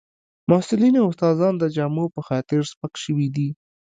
محصلین او استادان د جامو په خاطر سپک شوي دي